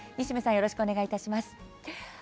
よろしくお願いします。